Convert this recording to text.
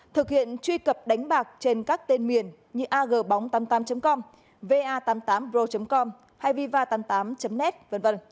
thực hiện truy cập đánh bạc trên các tên miền như ag bóng tám mươi tám com va tám mươi tám pro com hay viva tám mươi tám net v v